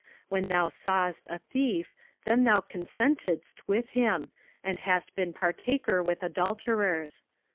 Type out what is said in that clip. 18 When thou sawest a thief, then thou consentedst with him, and hast been partaker with adulterers.